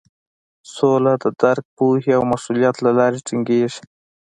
سوله د درک، پوهې او مسولیت له لارې ټینګیږي.